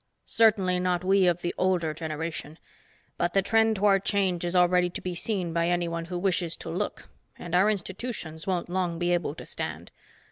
Certainly not we of the older generation. But the trend toward change is already to be seen by anyone who wishes to look, and our institutions won't long be able to stand.